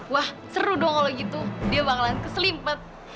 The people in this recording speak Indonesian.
wah seru dong kalau gitu dia bakalan keselimpet